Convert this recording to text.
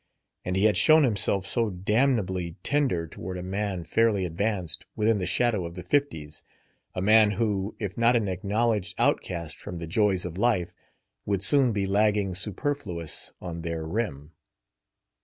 And he had shown himself so damnably tender toward a man fairly advanced within the shadow of the fifties a man who, if not an acknowledged outcast from the joys of life, would soon be lagging superfluous on their rim.